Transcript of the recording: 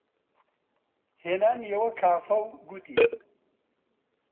هێنانیوە کافە و گوتی: